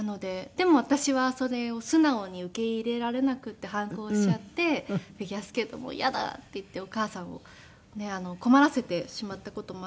でも私はそれを素直に受け入れられなくて反抗しちゃって「フィギュアスケートもう嫌だ」って言ってお母さんを困らせてしまった事もあったと思うんですけど。